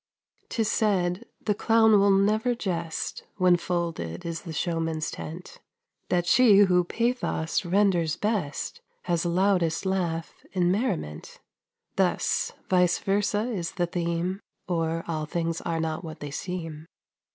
'Tis said the clown will never jest When folded is the showman's tent; That she who pathos renders best Has loudest laugh in merriment. Thus, vice versa is the theme, Or, "all things are not what they seem."